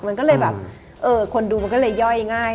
มันก็เลยแบบเออคนดูมันก็เลยย่อยง่าย